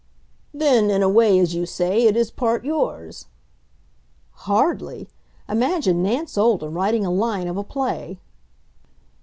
"Then, in a way, as you say, it is part yours." "Hardly! Imagine Nance Olden writing a line of a play!"